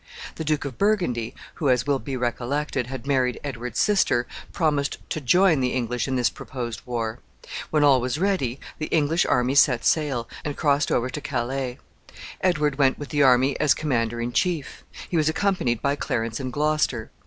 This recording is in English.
The Duke of Burgundy, who, as will be recollected, had married Edward's sister, promised to join the English in this proposed war. When all was ready, the English army set sail, and crossed over to Calais. Edward went with the army as commander in chief. He was accompanied by Clarence and Gloucester.